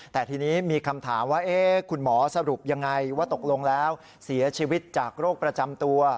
แต่ทีนี้มีคำถามว่าคุณหมอสรุปยังไงว่าตกลงแล้วเสียชีวิตจากโรคประจำตัว